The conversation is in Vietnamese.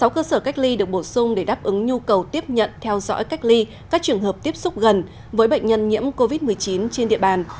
sáu cơ sở cách ly được bổ sung để đáp ứng nhu cầu tiếp nhận theo dõi cách ly các trường hợp tiếp xúc gần với bệnh nhân nhiễm covid một mươi chín trên địa bàn